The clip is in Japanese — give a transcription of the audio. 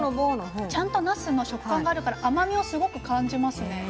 ちゃんとなすの食感があるから甘みをすごく感じますね。